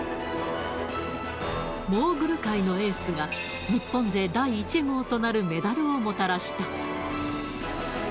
モーグル界のエースが、日本勢第１号となるメダルをもたらした。